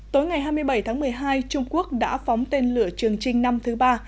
tối ngày hai mươi bảy tháng một mươi hai trung quốc đã phóng tên lửa trường trinh năm thứ ba